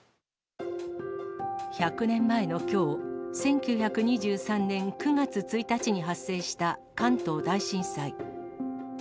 １００年前のきょう、１９２３年９月１日に発生した関東大震災。